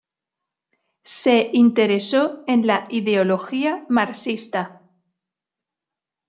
Se interesó en la ideología marxista.